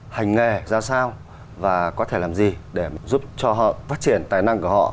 hành nghề ra sao và có thể làm gì để giúp cho họ phát triển tài năng của họ